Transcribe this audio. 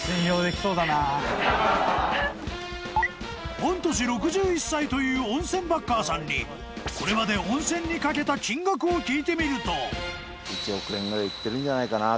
［御年６１歳という温泉バッカーさんにこれまで温泉にかけた金額を聞いてみると］